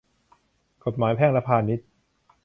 กฎหมายแพ่งและพาณิชย์